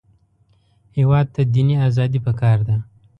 هېواد ته دیني ازادي پکار ده